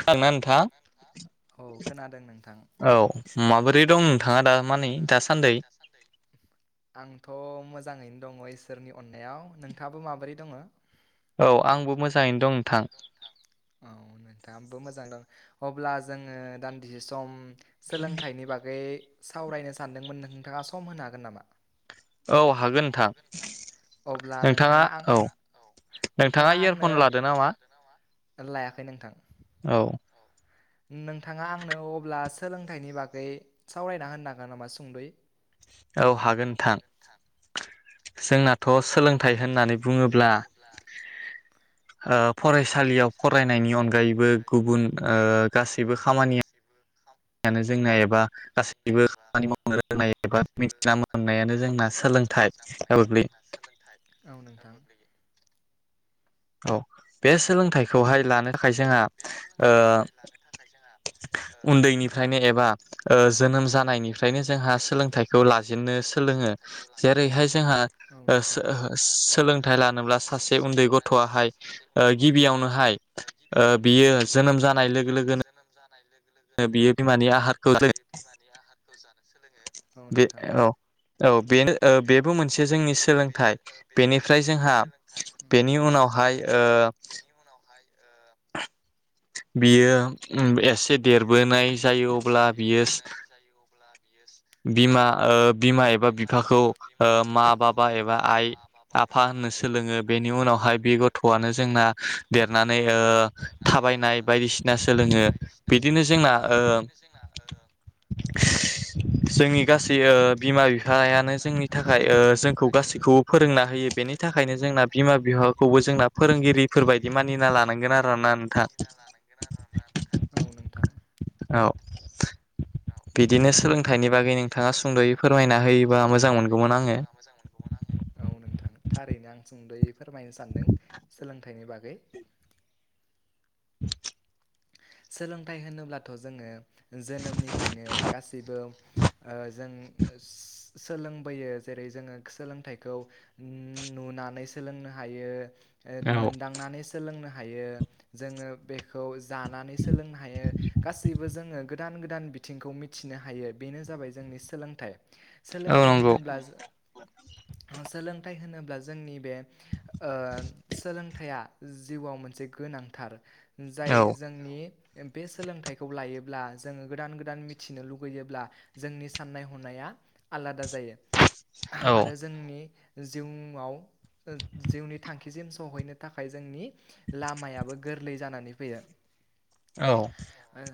खोनादोना नोंथांङा? औ माबोरै दं नोंथाङा दा माने दासान्दै? आंथ' मोजां। दङ इसोरनि अननायाव। नोंथाङाबो माबोरै दङ? औ आंबो मोजाङैनो दं नोंथां। औ नोंथाङाबो मोजां दं अब्ला जोङो दान्दिसे सम सोलोंथाइनि बागै सावरायनो सानदोंमोन। नोंथाङा सम होनो हागोन नामा? औ हागोन नोंथां। नोंथाङा औ नोंथाङा इयारफन लादो नामा? लायाखै नोंथां। औ। नोंथाङा आंनो अब्ला सोलोंथाइनि बागै सावरायना होनो हागोन नामा, सुंदै। औ हागोन नोंथां‌ जोंना जोंनाथ' सोलोंथाइ होननानै बुङोब्ला औ। फरायसालियाव फरायनायनि अनगायैबो गुबुन गासैबो खामानिया जोंना एबा [unintelligible] मोननायानो जोंना [inaudible] औ नोंथां। बे सोलोंथाइखौहाय लानो थाखाय जोंहा ओ उन्दैनिफ्रायनो एबा ओ जोनोम जानायनिफ्रायनो जोंहा सोलोंथाइखौ लाजेननो सोलोङो। जेरैहाय जोंहा सोलोंथाइ लानोब्ला सासे उन्दै गथ'आहाय गिबियावनोहाय गिबियावनोहाय, बियो जोनोम जानाय लोगो बियो बिमानि आहारखौ जों सोलोङो। बे औ। औ बेनो बेबो मोनसे जोंनि सोलोंथाइ। बेनिफ्राय जोंहा, बेनि उनाव नावहाय ओ [unintelligible] बियो एसे देरबोनाय जायो अब्ला बियो बिमा ओ बिमा एबा बिफाखौ ओ मा बाबा एबा आइ आफा होननो सोलोङो बेनि उनावहाय बे गथ'आनो जोंना देरनानै ओ थाबायनाय बायदिसिना सोलोङो। बिदिनो जोंना ओ [unintelligible] जोंनि गासै ओ बिमा बिफायानो जोंनि थाखाय ओ जोंखौ गासैखौबो फोरोंना होयो। बेनि थाखायनो जोंना बिमा बिफाखौबो जोंना फोरोंगिरिफोर बायदि मानिना बिनि थाखायनो मानिना लानांगोन आरोना नोंथां। औ नोंथां। औ। बिदिनो सोलोंथाइनि बागै नोंथाङा सुंद'यै फोरमायना होयोबा मोजां मोनगौमोन आङो। औ नोंथां थारैनो आं सुंद'यै फोरमायनो सानदों। सोलोंथाइनि बागै [unintelligible] [inaudible] सोलोंथाइ होनोब्लाथ' जोङो जोनोमनिफ्रायनो गासिबो ओ जों सोलोंबोयो, जेरै जोङो सोलोंथाइखौ नुनानै सोलोंनो हा यो, मोनदांनानै सोलोंनो हायो, जोङो बेखौ जानानै सोलोंनो हायो, गासैबो जोङो गोदान गोदान बिथिंखौ मिथिनो हायो, बेनो जाबाय जोंनि सोलोंथाइ। सोलोंथाइ होनोब्ला जों, सोलोंथाइ होनो ब्ला जोंनि बे ओ सोलोंथाइया, जिउआव मोनसे गोनांथार। जाय बे सोलोंथाइखौ लायोब्ला जोङो गोदान गोदान मिथिनो लुबैयोब्ला जोंनि साननाय ह नाया आलादा जायो। आरो जोंनि जिउआव, जिउनि थांखि सिम सहैनो थाखाय जोंनि लामायाबो गोरलै जानानै फैयो। ओ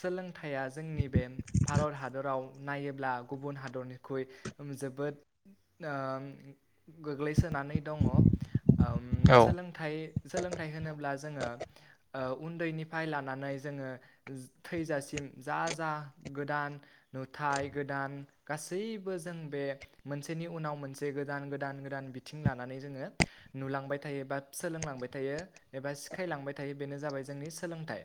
सोलोंथाइया जोंनि बे भारत हादराव नायोब्ला गुबुन हादरनिख्रुइ जोबोद ओ गोग्लैसो सोनानै दङ। औ सोलोंथाय सोलोंथाय होनोब्ला जोङो औ उन्दैनिफ्राय लानानै जोङो थैजासिम जा जा गोदान नु थाय गोदान गासैबो जों बे मोनसेनि उनाव मोनसे गोदान गोदान गोदान बिथिं लानानै जोङो नुलांबाय थायो बा सोलोंलांबाय थायो एबा सिखायलांबाय थायो बेनो जाबाय जोंनि सोलोंथाइ।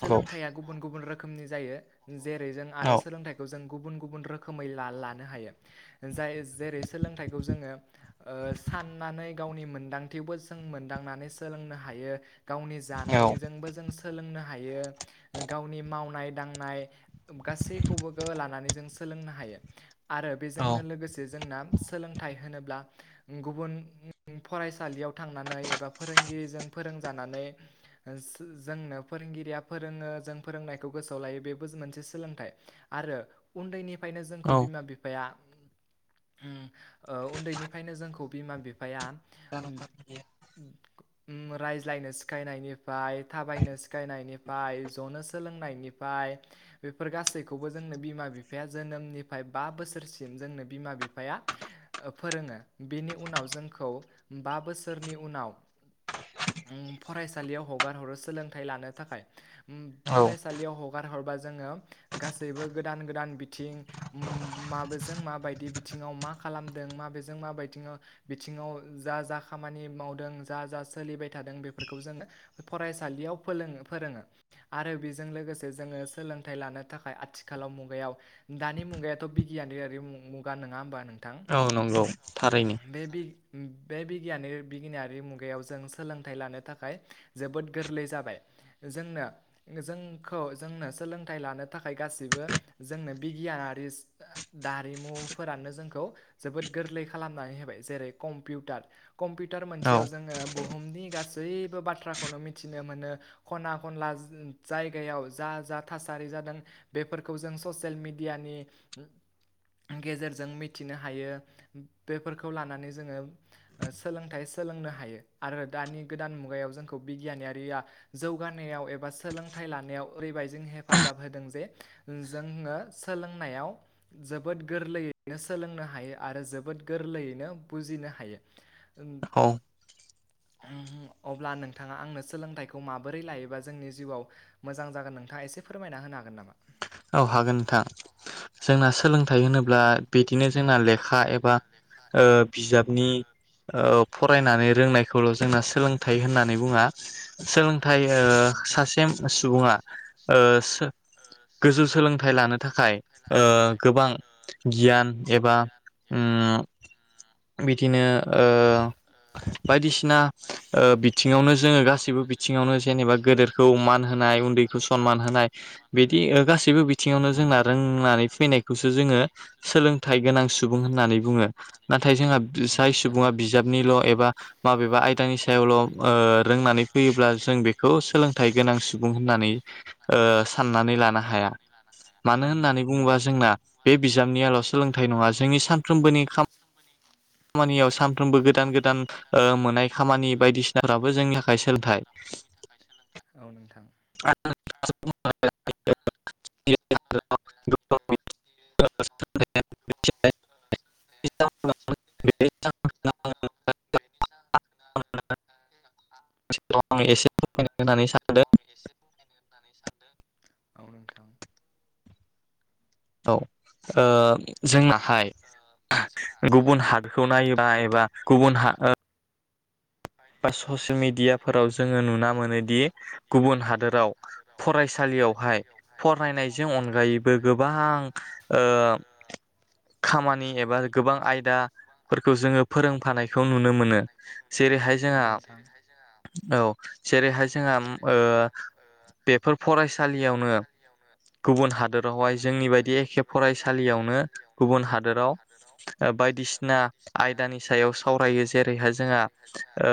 सोलोंथाइया गुबुन गुबुन रोखोमनि जायो। जेरै जों आरो सोलोंथाइखौ जों गुबुन गुबुन रोखोमै ला लानो हायो जाय जेरै सोलोंथाइखौ जोङो ओ साननानै गावनि मोनदांथियावबो जों मोनदांनानै सोलोंनो हायो। गावनि जानायजोंबो जों सोलोंनो हा हायो। गावनि मावनाय दांनाय गासैखौबो लानानै जों सोलोंनो हायो। आरो बेजोंनो लोगोसे जोंना सोलोंथाइ होनो ब्ला गुबुन फरायसालियाव थांनानै एबा फोरोंगिरिजों फोरों जानानै जोंनो फोरोंगिरिया फोरोङो जों फोरोंनायखौ गोसोआव लायो बेबो मोनसे सोलोंथाइ आरो उन्दैनि फायनो जोंखौ बिमा बिफाया ओ उन्दैनिफ्रायनो जोंखौ बि फाया राइज लायनो सिखायनायनिफ्राय थाबायनो सिखायनायनिफ्राय जनो सोलोंनायनिफ्राय बेफोर गासैखौबो जोंनो बिमा बिफाया जोनोमनिफ्राय बा बोसोरसिम जोंनो बिमा बिफाया फोरोङो बेनि उनाव जोंखौ बा बोसोरनि उनाव ओम फरायसालियाव हगार हरो सोलोंथायाइ लानो थाखाय। फरायसालियाव हगार हरबा जोङो गासैबो गोदान गोदान बिथिं माबो जों माबायदि बिथिङाव मा खालामदों मा बेजों माबायदि बिथिङाव जा जा खामानि मावदों जा जा सोलिबाय थादों बेफोरखौ जोङो फरायसालियाव फोरङो फोरोङो आरो बेजों लोगोसे जोङो सोलों सोलोंथाइ लानो थाखाय आथिखालाव मुगायाव दानि मुगायाथ' बिगियानारि मुगा नङा होमबा नों औ नंगौ थारैनो। बे बिगियान बिगियारि मुगायाव जों सोलोंथाइ लानो थाखाय जोबोद गोरलै जाबाय। जोंनो जोंखौ जोंनो सोलोंथाइ लानो थाखाय गासिबो जोंनो बिगियानारि दारिमुफोरानो जोंखौ खौ जोबोद गोरलै खालामनानै होबाय जेरै कम्पिउटार कम्पिउटार मोनसेयाव जोङो बुहुमनि गासैबो बाथ्राखौनो मिथिनो मोनो खना खनला ज-जायगायाव जा जा थासारि जादों बेफोरखौ जों ससियेल मिडियानि गेजेरजों मिथिनो हायो बेफोरखौ लानानै जोङो सोलोंथाइ सोलोंनो हायो। आरो दानि गोदान मुगायाव जोंखौ बिगियानारिया जौगानायाव एबा सोलोंथाइ लानायाव ओरैबाय जों हेफाजाब होदों जे जोङो सोलोंनायाव जोबोद गोरलैयैनो सोलोंनो हायो आरो जोबोद गोरलैयैनो बुजिनो हायो। औ। अब्ला नोंथाङा आंनो सोलोंथाइखौ माबोरै लायोबा जोंनि जिउआव मोजां जागोन नोंथाङा एसे फोरमायना होनो हागोन नामा? औ हागोन नोंथां जोंना सोलोंथाइ होनोब्ला बिदिनो जोंना ले खा एबा ओ बिजाबनि ओ फरायनानै रोंनायखौल' जोंना सोलोंथाइ होननानै बुङा सोलोंथाइ ओ सासे सुबुङा ओ सो ोजौ सोलोंथाइ लानो थाखाय गोबां गियान एबा ओम बिदिनो बिदिनो ओ बायदिसिना ओ बिथिङावनो जोङो गासैबो बिथिङावनो जेनेबा गोदोरखौ मान होनाय उन्दैखौ समान होनाय बिदि ओ बो बिथिङावनो जोंना रोंनानै फैनायखौसो जोङो सोलोंथाइ गोनां सुबुं होननानै बुङो। नाथाय जोंहा जाय सुबुङा बि जाबनिल' एबा माबेबा आयदानि सायावल' ओ रोंनानै फैयोब्ला जों बेखौ सोलोंथाइ गोनां सुबुं होननानै ओ साननानै लानो हाया। मानो होननानै बुङोबा जोंना बे बिजाबनियाल' सोलोंथाइ नङा जोंनि सानफ्रोमबोनि खाम खामानियाव साम सानफ्रोमबो गोदान गोदान ओ मोननाय खामानि बायदिसिनाफ्राबो जोंनि थाखाय सोलोंथाइ। सोलोंथाइ औ नों [unintelligible] [unintelligible] [unintelligible] बेनि जाहोनाव बेनि जाहोनखोनो आंङो [unintelligible] होननानै सानदों औ नोंथां। औ ओ जोंनाहाय गुबुन हादखौ नायोबा एबा गुबुन ओ बायरि बा ससियेल मेडियाफोराव जोङो नुना मोनोदि गुबुन हादोराव फरायसालियाव हाय फरायनायजों अनगायैबो गोबां ओ खामानि एबा गोबां आयदाफोरखौ जोङो फोरोंफानायखौ नुनो मोनो। जेरैहाय जोंहा औ जेरैहाय जोंहा ओ बेफोर फरायसालियावनो गुबुन हादोरावहाय जोंनि बायदि एखे फरायसालियावनो गुबुन हादोराव ओ बायदिसिना आयदानि सायाव सावरायो जेरैहाय जोंहा ओ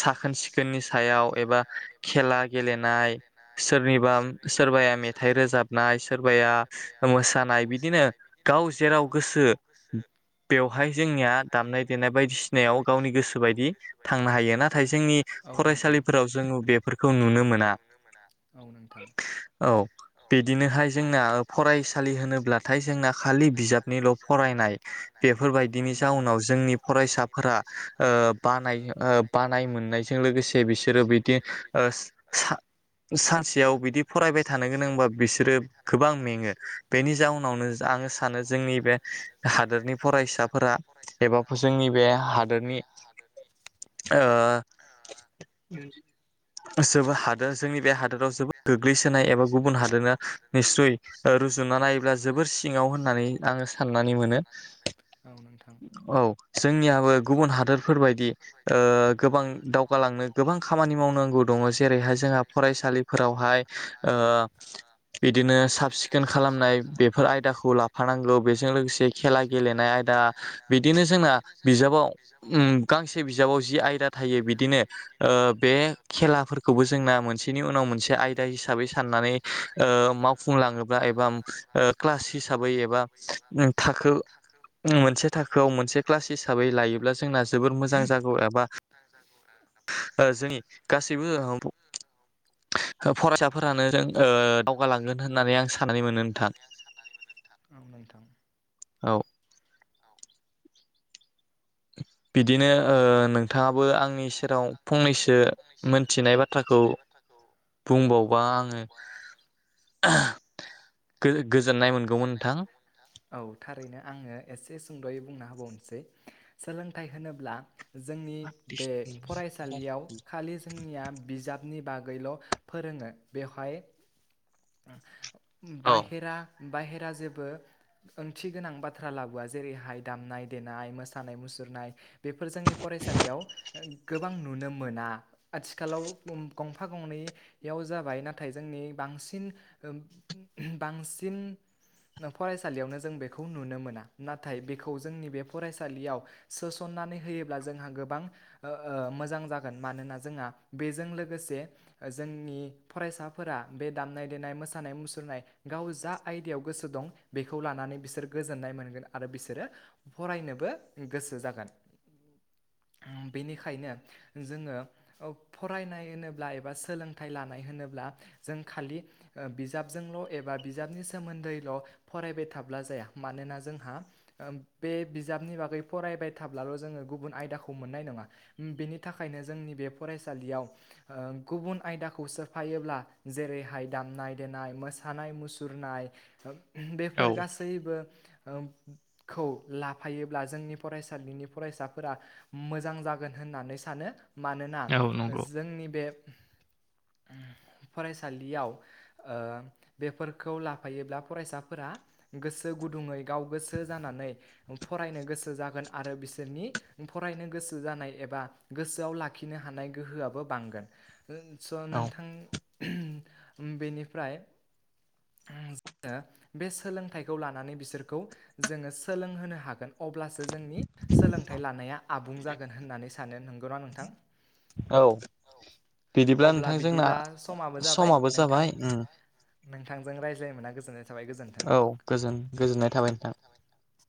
साखोन सिखोननि सायाव एबा खेला गेलेनाय सोरनिबा सोरबा सोरबाया मेथाइ रोजाबनाय सोरबाया मोसानाय बिदिनो गाव जेराव गोसो बेवहाय जोंनिया दामनाय देनाय बायदिसिनायाव गावनि गोसो बायदि थांनो हायो नाथाय जोंनि फरायसालिफोराव जोंङो बेफोरखौ नुनो मोना औ बिदिनोहाय जोंना फरायसालि होनोब्लाथाय जोंना खालि बिजाबनिल' फरायनाय बेफोरबायदिनि जाउनाव जोंनि फरायसाफोरा ओ बानाय ओ बानाय मोननायजों लोगोसे बिसोरो बिदि ओ सानसेयाव बिदि फरायबाय थानो गोनांबा बिसोरो गोबां मेङो बेनि जाउनावनो जा आ सानो जोंनि हादोरनि फरायसाफोरा एबा जोंनि बे हादोरनि ओ जो हादोर जोंनि बे हादोराव जोबोद गोग्लैसोनाय एबा गुबुन हादोरनो निस्रुइ ओ रुजुनाय नायोब्ला जोबोर सिङाव होननानै आङो सनानै मोनो औ जों जोंनियाबो गुबुन हादोरफोर बायदि ओ गोबां दावगालांनो गोबां खामानि मावनांगौ दङ। जेरैहाय जोंहा फरायसालिफोरावहाय ओ बिदिनो साब सिखोन खालामनाय बेफोर आयदाखौ लाफानांगौ बेजों लोगोसे खेला गेलेनाय आयदा आ बिदिनो जोंना बिजाबाव उम गांसे बिजाबाव जि आयदा थायो बिदिनो ओ बे खेलाफोर फोरखौबो जोंना मोनसेनि उनाव मोनसे आयदा हिसाबै साननानै ओ मावफुंलाङोब्ला एबा ओ क्लास हिसाबै एबा थाखो मोनसे थाखोआव मोनसे क्लास हिसाबै लायोब्ला जोंना जोंना जोबोर मोजां जागौ आरोबा जोंनि [unintelligible] [inaudible] फरायसाफोरानो जों ओ दावगालांगोन होननानै आं साननानै मोनो नोंथां नोंथां औ बिदिनो ओ नोंथांङाबो आंनि सेराव फंनैसो मोनथिनाय बाथ्राखौ बुंबावबा आंङो [inaudible] गो-गोजोननाय मोनगौमोन नोंथां औ थारैनो आंङो एसे सुंद'यै बुंना होबावनोसै सोलोंथाइ होनोब्ला जोंनि बे फरायसालियाव खालि जोंनिया बिजाब नि बागैल' फोरोंङो बेवहाय बाहेरा बाहेरा जेबो ओंथि गोनां बाथ्रा लाबोआ जेरैहाय दामनाय देनाय मोसानाय मुसुर नाय बेफोर जोंनि फरायसालियाव ओ गोबां नुनो मोना आथिखालाव उम गंफा गंनैयाव जाबाय नाथाय जोंनि बांसिन ओ उहुम बांसिन फरायसालियावनो जों बेखौ नुनो मोना नाथाय बेखौ जोंनि बे फरायसालियाव सोसन नानै होयोब्ला जोंहा गोबां ओ ओ मोजां जागोन मानोना जोंहा बेजों लोगोसे ओ जोंनि फरायसाफोरा बे दामनाय देनाय मोसानाय मुसुरनाय गाव जा आयदायाव गोसो दं बेखौ लानानै बिसोर गोजोननाय मोनगोन आरो बिसोरो फरायनोबो गोसो जागोन उम बेनिखायनो जोंङो अ फरायनाय होनोब्ला एबा सोलोंथाइ लानाय होनोब्ला दा जों खालि ओ बिजाबजोंल' एबा बिजाबनि सोमोन्दैल' फरायबाय थाब्ला जाया मानोना जोंहा ओ बे बिजाबनि बागै फरायबाय थाब्लाल' जोंङो गुबुन आयदाखौ मोननाय नंङा बेनि थाखाय खायनो जोंनि बे फरायसालियाव ओ गुबुन आयदाखौ सोफायोब्ला जेरैहाय दामनाय देनाय मोसानाय मुसुरनाय ओ बेफोर गासैबो ओम खौ लाफायोब्ला जोंनि फरायसालिनि फरायसाफोरा मोजां जागोन होन होननानै सानो मानोना जोंनि बे फरायसालियाव ओ बेफोरखौ लाफायोब्ला फरायसाफोरा गोसो गुदुंङै गाव गोसो जानानै फरायनो गोसो जागोन आरो बिसोरनि फरायनो गोसो जानाय एबा गोसो गोसोआव लाखिनो हानाय गोहोआबो बांगोन ओ स' नोंथां ङम उम बेनिफ्राय उम जोंङो बे सोलोंथाइखौ लानानै बिसोरखौ जोंङो सोलोंहोनो हागोन। अब्लासो जोंनि सोलोंथाइ लानाया आबुं जागोन होननानै सानो नंगौना नोंथां? औ बिदिब्ला नोंथां जोंना समाबो जाबाय उम नोंथांजों रायज्लायनोमोनना गोजोननाय थाबाय गोजोनथों औ गोजोनथों गोजोननाय थाबाय नोंथां।